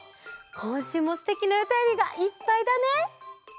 こんしゅうもすてきなおたよりがいっぱいだね。